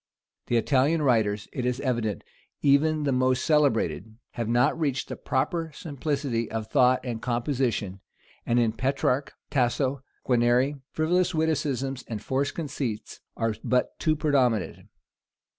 The Italian writers, it is evident, even the most celebrated, have not reached the proper simplicity of thought and composition; and in Petrarch, Tasso, Guarini, frivolous witticisms and forced conceits are but too predominant.